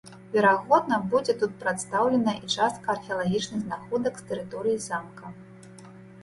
Верагодна, будзе тут прадстаўленая і частка археалагічных знаходак з тэрыторыі замка.